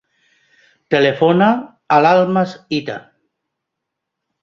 Telefona a l'Almas Hita.